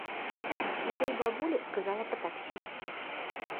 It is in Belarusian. І той бабулі сказала пра таксі.